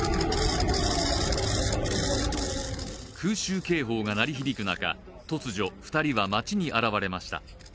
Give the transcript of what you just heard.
空襲警報が鳴り響く中、突如２人は街に現れました。